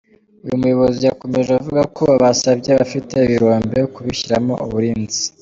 Uyu muyobozi yakomeje avuga ko basabye abafite ibirombe kubishyiraho uburinzi.